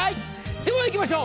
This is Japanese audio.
ではいきましょう。